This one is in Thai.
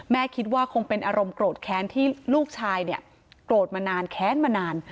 คิดว่าคงเป็นอารมณ์โกรธแค้นที่ลูกชายเนี่ยโกรธมานานแค้นมานาน